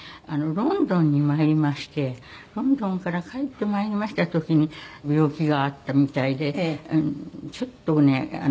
ロンドンに参りましてロンドンから帰って参りました時に病気があったみたいでちょっとね